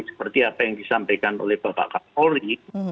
seperti apa yang disampaikan oleh bapak kapolri